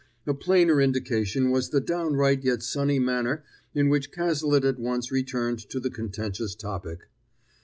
A plainer indication was the downright yet sunny manner in which Cazalet at once returned to the contentious topic.